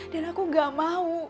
dan aku gak mau